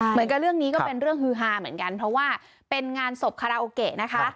เหมือนกับเรื่องนี้ก็เป็นเรื่องฮือฮาเหมือนกันเพราะว่าเป็นงานศพคาราโอเกะนะคะ